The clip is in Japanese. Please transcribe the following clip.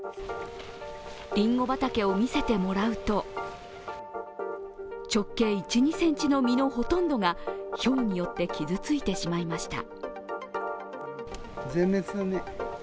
りんご畑を見せてもらうと直径１２ｃｍの実のほとんどがひょうによって傷ついてしまいました。